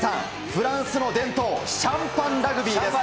フランスの伝統、シャンパンラグビーです。